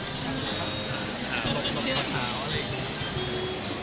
คุณสัมผัสดีครับ